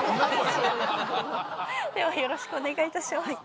ではよろしくお願いいたします。